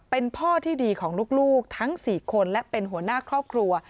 เป็นพ่อที่ดีของลูกทั้ง๔คนและเป็นหัวหน้าครอบครัว